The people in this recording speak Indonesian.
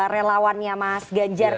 relawannya mas ganjar